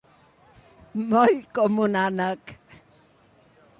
Moll com un ànec.